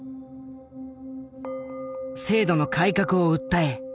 制度の改革を訴え